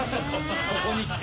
ここにきて？